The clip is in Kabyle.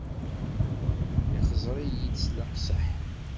Ixẓer-iyi-d s leqseḥ.